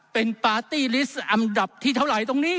เป็นปาร์ตี้ลิสต์อันดับที่เท่าไหร่ตรงนี้